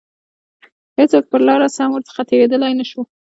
هیڅوک پر لاره سم ورڅخه تیریدلای نه شو.